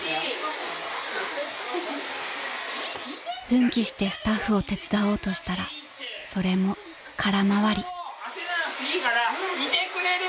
［奮起してスタッフを手伝おうとしたらそれも空回り］